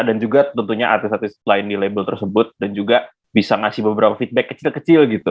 dan juga tentunya artis artis lain di label tersebut dan juga bisa ngasih beberapa feedback kecil kecil gitu